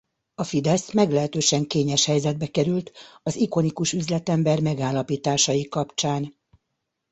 A Fidesz meglehetősen kényes helyzetbe került az ikonikus üzletember megállapításai kapcsán.